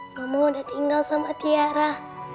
kamu udah tinggal sama tiara